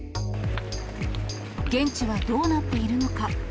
現地はどうなっているのか。